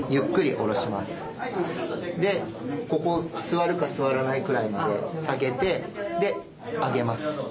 ここ座るか座らないくらいまで下げてで上げます。